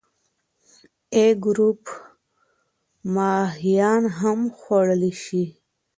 A ګروپ ماهیان هم خوړلی شي.